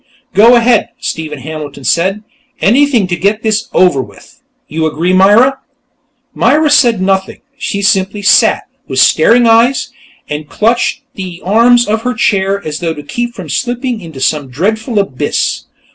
"Go ahead," Stephen Hampton said. "Anything to get this over with.... You agree, Myra?" Myra said nothing. She simply sat, with staring eyes, and clutched the arms of her chair as though to keep from slipping into some dreadful abyss.